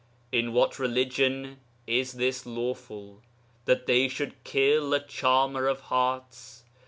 In what religion is this lawful? That they should kill a charmer of hearts!